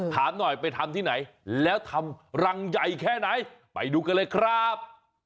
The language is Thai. ถามหน่อยไปทำที่ไหนแล้วทำรังใหญ่แค่ไหนไปดูกันเลยครับ